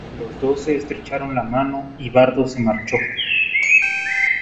Los dos se estrecharon la mano y Bardo se marchó.